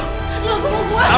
enggak gue mau keluar